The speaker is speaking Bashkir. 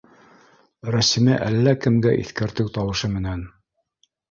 Рәсимә әллә кемгә иҫкәртеү тауышы менән: